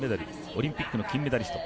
オリンピックの金メダリスト。